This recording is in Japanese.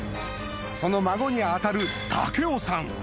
その孫に当たる赳夫さん